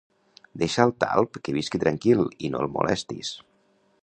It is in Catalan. Deixa al talp que visqui tranquil i no el molestis